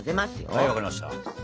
はい分かりました。